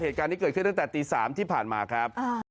เหตุการณ์นี้เกิดขึ้นตั้งแต่ตี๓ที่ผ่านมาครับ